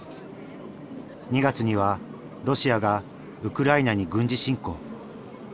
２月にはロシアがウクライナに軍事侵攻。